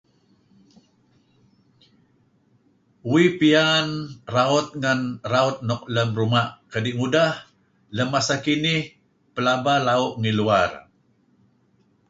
Uih piyan raut ngan raut nuk lem ruma' kadi ngudah lem masa kinih pelaba lau' ngi luar.